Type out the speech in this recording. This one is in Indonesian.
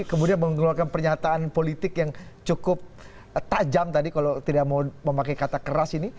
kemudian mengeluarkan pernyataan politik yang cukup tajam tadi kalau tidak mau memakai kata keras ini